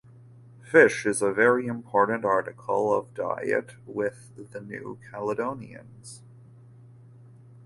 Fish is a very important article of diet with the New Caledonians.